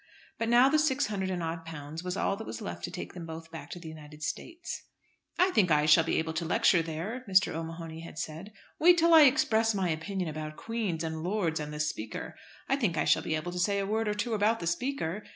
But now the six hundred and odd pounds was all that was left to take them both back to the United States. "I think I shall be able to lecture there," Mr. O'Mahony had said. "Wait till I express my opinion about queens, and lords, and the Speaker! I think I shall be able to say a word or two about the Speaker!